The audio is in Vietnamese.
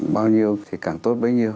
bao nhiêu thì càng tốt bấy nhiêu